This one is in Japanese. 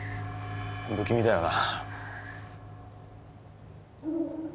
不気味だよな。